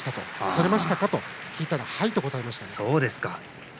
取れましたか？と聞くとはいと答えました。